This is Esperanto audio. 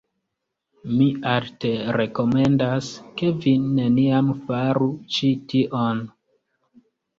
Mi alte rekomendas... ke vi neniam faru ĉi tion.